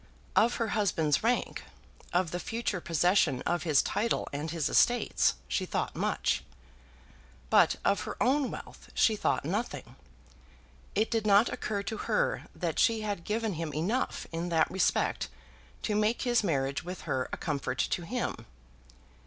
Of her husband's rank, of the future possession of his title and his estates, she thought much. But of her own wealth she thought nothing. It did not occur to her that she had given him enough in that respect to make his marriage with her a comfort to him.